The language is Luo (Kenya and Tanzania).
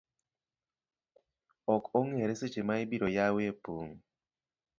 Ok ong’ere seche ma ibiroyawoe pong'